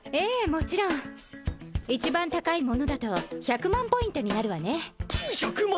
もちろん一番高いものだと１００万ポイントになるわね１００万！？